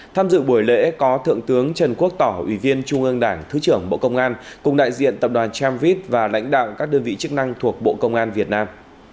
tham dự buổi lễ có thượng tướng trần quốc tỏ ủy viên trung ương đảng thứ trưởng bộ công an cùng đại diện tập đoàn tramvit và lãnh đạo các đơn vị chức năng thuộc bộ công an việt nam